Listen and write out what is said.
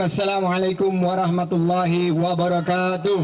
assalamu'alaikum warahmatullahi wabarakatuh